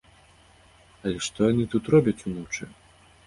Але што яны тут робяць уночы?